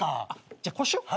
じゃあこうしよう。